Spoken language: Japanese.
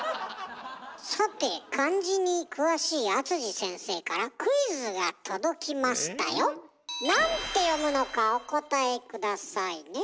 さて漢字に詳しい阿先生からクイズが届きましたよ。なんて読むのかお答え下さいね。